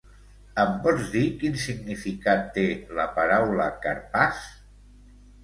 Em pots dir quin significat té la paraula Karpàs?